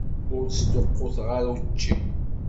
Ur sṭuqqutet ara učči.